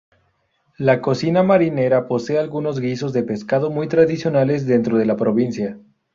La cocina marinera posee algunos guisos de pescado muy tradicionales dentro de la provincia.